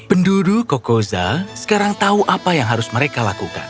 penduduk kokoza sekarang tahu apa yang harus mereka lakukan